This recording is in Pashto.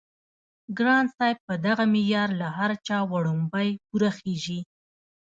ګران صاحب په دغه معيار له هر چا وړومبی پوره خيژي